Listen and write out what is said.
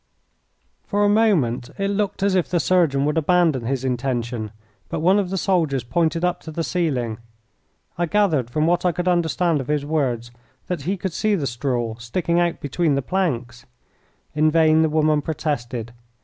For a moment it looked as if the surgeon would abandon his intention, but one of the soldiers pointed up to the ceiling. I gathered from what I could understand of his words that he could see the straw sticking out between the planks. In vain the woman protested.